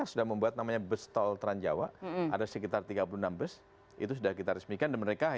sudah kita tambah tambah